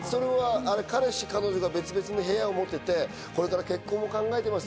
彼氏彼女が別々の部屋を持っていて、これから結婚も考えています。